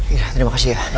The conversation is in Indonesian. iya terima kasih ya